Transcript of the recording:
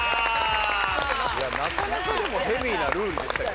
いやなかなかでもヘビーなルールでしたよ。